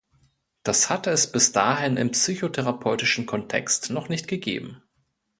Das hatte es bis dahin im psychotherapeutischen Kontext noch nicht gegeben.